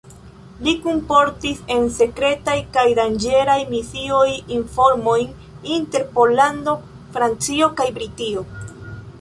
Li kunportis en sekretaj kaj danĝeraj misioj informojn inter Pollando, Francio kaj Britio.